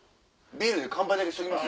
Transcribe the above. ビールで乾杯だけしときます？